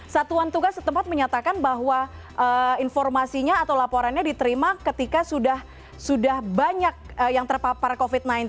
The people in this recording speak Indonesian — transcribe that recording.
satuan tugas setempat menyatakan bahwa informasinya atau laporannya diterima ketika sudah banyak yang terpapar covid sembilan belas